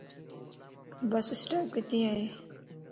بس اسٽاپ ڪٿي ائي